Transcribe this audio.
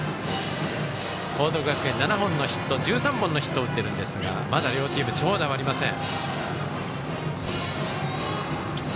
報徳学園７本のヒット１３本のヒットを打っているんですがまだ両チーム、長打はありません。